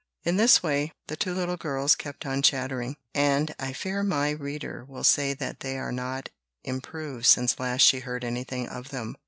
In this way the two little girls kept on chattering; and I fear my reader will say that they are not improved since last she heard anything of them.